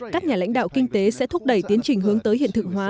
các nhà lãnh đạo kinh tế sẽ thúc đẩy tiến trình hướng tới hiện thực hóa